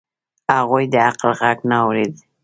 هغوی د عقل غږ نه اورېد.